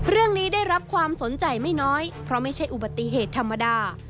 ได้รับความสนใจไม่น้อยเพราะไม่ใช่อุบัติเหตุธรรมดา